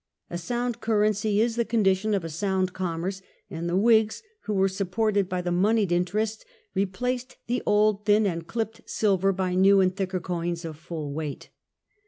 A sound currency is the condition of a sound commerce, and the Whigs, who were supported by the "monied interest", replaced the old thin and clipped silver by new and thicker coins of full weight.